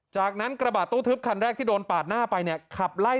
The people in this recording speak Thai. จากนั้นกระบาดตู้ทึบคันแรกที่โดนปาดหน้าไปเนี่ยขับไล่